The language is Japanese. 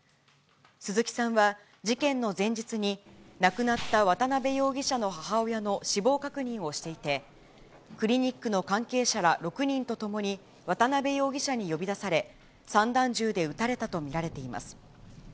鈴木さんは事件の前日に、亡くなった渡辺容疑者の母親の死亡確認をしていて、クリニックの関係者ら６人と共に渡辺容疑者に呼び出され、散弾銃で撃たれたと見られています。